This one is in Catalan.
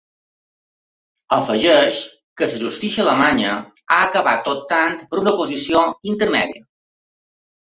Afegeix que la justícia alemanya ha acabat optant per una posició intermèdia.